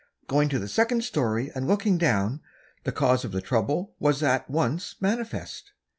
Going to the second story and looking down, the cause of the trouble was at once manifest.